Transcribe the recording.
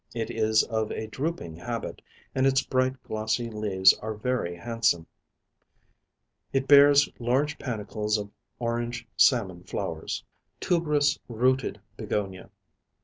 It is of a drooping habit, and its bright glossy leaves are very handsome. It bears large panicles of orange salmon flowers. TUBEROUS ROOTED BEGONIA.